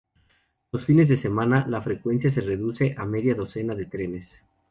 Los fines de semana la frecuencia se reduce a media docena de trenes.